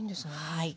はい。